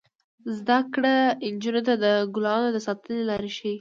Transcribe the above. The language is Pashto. زده کړه نجونو ته د ګلانو د ساتنې لارې ښيي.